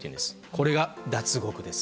これが脱獄です。